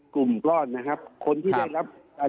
กลุ่มปลอดนะครับคนที่ได้